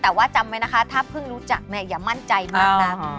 แต่ว่าจำไว้นะคะถ้าเพิ่งรู้จักเนี่ยอย่ามั่นใจมากนะ